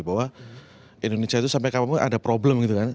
bahwa indonesia itu sampai kapanpun ada problem gitu kan